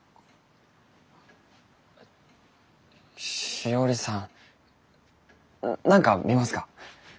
しおりさん何か見ますか？